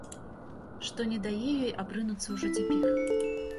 Што не дае ёй абрынуцца ўжо цяпер?